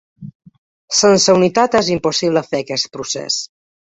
Sense unitat és impossible fer aquest procés.